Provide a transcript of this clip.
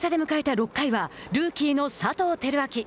６回はルーキーの佐藤輝明。